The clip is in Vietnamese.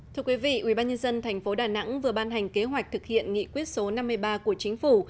thưa quý vị ubnd tp đà nẵng vừa ban hành kế hoạch thực hiện nghị quyết số năm mươi ba của chính phủ